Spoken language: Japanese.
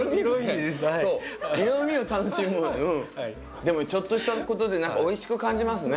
でもちょっとしたことで何かおいしく感じますね。